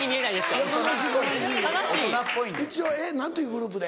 一応何ていうグループで？